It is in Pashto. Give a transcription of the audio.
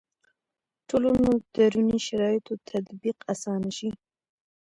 ټولنو دروني شرایطو تطبیق اسانه شي.